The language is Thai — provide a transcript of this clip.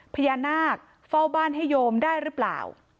พญานาคเฝ้าบ้านให้โยมได้หรือเปล่า